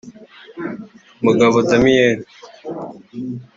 Mugabo Damien